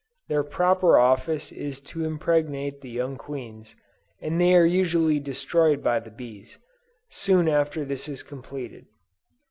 Their proper office is to impregnate the young queens, and they are usually destroyed by the bees, soon after this is completed.